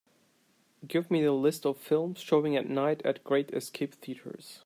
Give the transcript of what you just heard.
Give me the list of films showing at night at Great Escape Theatres.